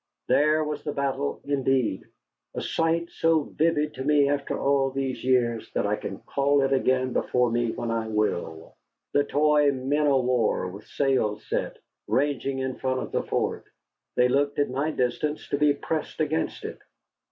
There was the battle indeed, a sight so vivid to me after all these years that I can call it again before me when I will. The toy men o' war, with sails set, ranging in front of the fort. They looked at my distance to be pressed against it.